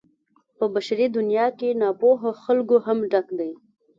په بشري دنيا کې ناپوهو خلکو هم ډک دی.